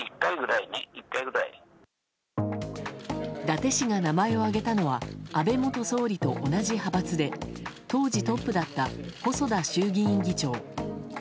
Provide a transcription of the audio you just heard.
伊達氏が名前を挙げたのは安倍元総理と同じ派閥で当時トップだった細田衆議院議長。